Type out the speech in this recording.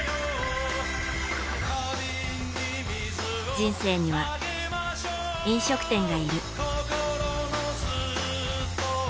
人生には、飲食店がいる。